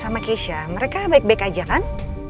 sama keisha mereka baik baik aja kan